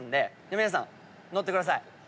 皆さん乗ってください。